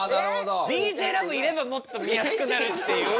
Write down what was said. ＤＪＬＯＶＥいればもっと見やすくなるっていう。